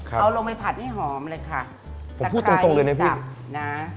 เอาลงไปผัดให้หอมเลยค่ะ